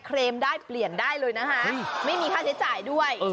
เคลมได้เปลี่ยนได้เลยนะคะไม่มีค่าใช้จ่ายด้วย